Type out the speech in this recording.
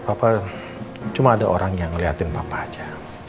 apa cuma ada orang yang ngeliatin papa aja